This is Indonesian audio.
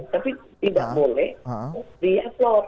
tapi tidak boleh di upload